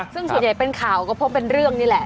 ซึ่งส่วนใหญ่เป็นข่าวก็พบเป็นเรื่องนี่แหละ